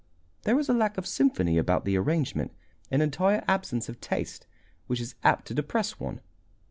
There is a lack of symphony about the arrangement, an entire absence of taste, which is apt to depress one.